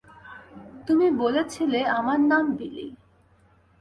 তুমি বলেছিলে আমার নাম বিলি।